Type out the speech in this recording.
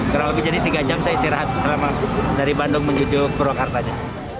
kira kira jadi tiga jam saya istirahat selama dari bandung menuju purwokarta